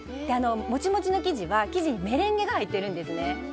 モチモチの生地は生地にメレンゲが入ってるんですね。